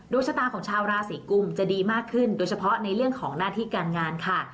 ชะตาของชาวราศีกุมจะดีมากขึ้นโดยเฉพาะในเรื่องของหน้าที่การงานค่ะ